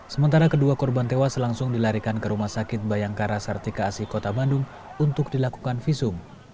sementara kedua korban tewas langsung dilarikan ke rumah sakit bayangkara sartika asi kota bandung untuk dilakukan visum